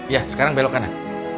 ya sekarang belok kanan